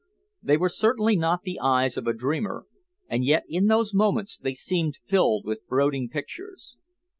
They were certainly not the eyes of a dreamer, and yet in those moments they seemed filled with brooding pictures.